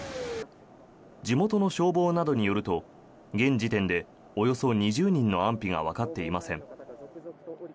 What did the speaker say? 地元の消防などによると現時点でおよそ２０人の安否がわかっていません。